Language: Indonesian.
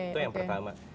itu yang pertama